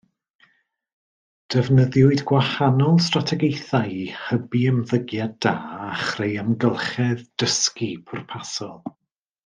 Defnyddiwyd gwahanol strategaethau i hybu ymddygiad da a chreu amgylchedd dysgu pwrpasol